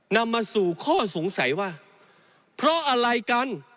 นำมาสู่ข้อสงสัยว่าเพราะอะไรกัน